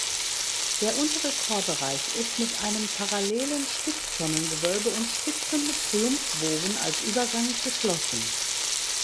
Der untere Chorbereich ist mit einem parallelen Spitztonnengewölbe und spitzem Triumphbogen als Übergang geschlossen.